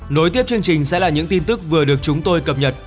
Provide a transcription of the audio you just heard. nối tiếp chương trình sẽ là những tin tức vừa được chúng tôi cập nhật